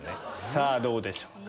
さぁどうでしょうか？